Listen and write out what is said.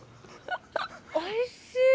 おいしい！